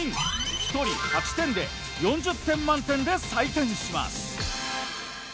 １人８点で４０点満点で採点します。